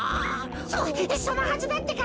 そそのはずだってか！